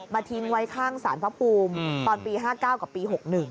ทิ้งไว้ข้างสารพระภูมิตอนปี๕๙กับปี๖๑